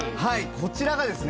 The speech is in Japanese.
こちらがですね